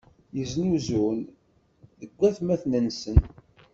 Yeznuzun deg watmaten-nsen.